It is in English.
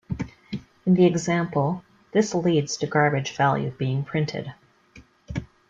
In the example, this leads to garbage value being printed.